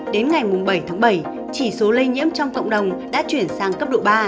đến ngày bảy tháng bảy chỉ số lây nhiễm trong cộng đồng đã chuyển sang cấp độ ba